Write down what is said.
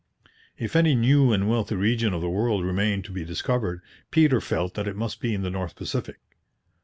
If any new and wealthy region of the world remained to be discovered, Peter felt that it must be in the North Pacific.